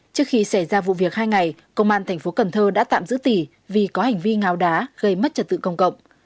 trước khi xảy ra vụ việc hai ngày công an tp cnh đã tạm giữ tỷ vì có hành vi ngào đá gây mất trật tự công cộng